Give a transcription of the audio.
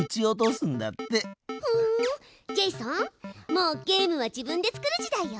もうゲームは自分で作る時代よ。